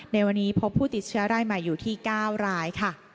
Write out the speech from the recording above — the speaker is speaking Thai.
ในวันนี้พบผู้ติดเชื้อรายใหม่อยู่ที่๙รายค่ะ